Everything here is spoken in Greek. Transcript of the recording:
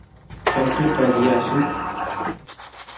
και αφού το αδειάσει